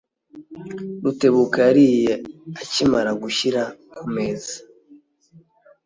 Rutebuka yariye akimara gushyira kumeza.